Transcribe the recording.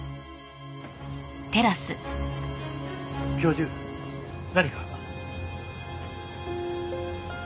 教授何か？